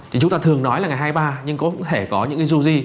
thì chúng ta thường nói là ngày hai mươi ba nhưng có thể có những cái du di